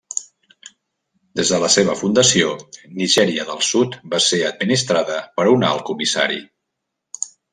Des de la seva fundació Nigèria del Sud va ser administrada per un alt comissari.